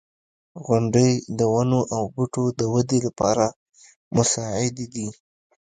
• غونډۍ د ونو او بوټو د ودې لپاره مساعدې دي.